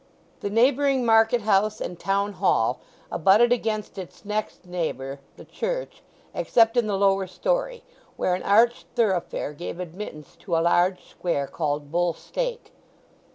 The neighbouring Market House and Town Hall abutted against its next neighbour the Church except in the lower storey, where an arched thoroughfare gave admittance to a large square called Bull Stake.